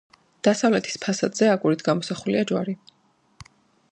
დასავლეთის ფასადზე აგურით გამოსახულია ჯვარი.